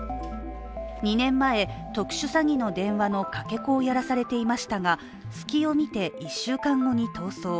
２年前、特殊詐欺の電話のかけ子をやらされていましたが隙を見て、１週間後に逃走。